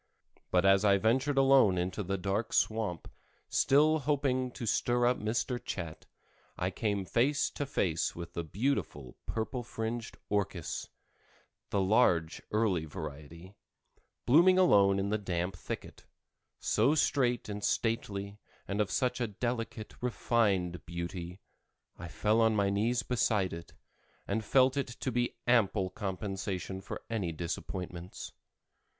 But as I ventured alone into the dark swamp, hoping still to stir up Mr. Chat, I came face to face with the beautiful purple fringed orchis—the large, early variety—blooming alone in the damp thicket, so straight and stately, and of such a delicate, refined beauty, I fell on my knees beside it, and felt it to be ample compensation for any disappointments.